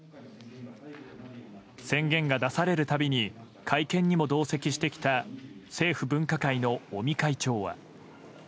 宣言が出されるたびに会見にも同席してきた、政府分科会の尾身会長は。